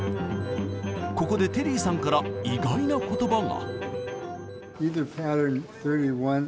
ここでテリーさんから意外な言葉が。